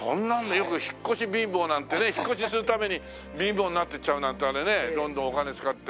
よく引っ越し貧乏なんてね引っ越しする度に貧乏になっていっちゃうなんてあれねどんどんお金使って。